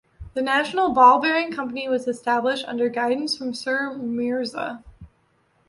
The National Ball- bearing company was established under guidance from Sir Mirza.